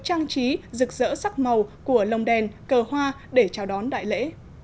trang trí rực rỡ sắc màu của lồng đèn cờ hoa để chào đón đại lễ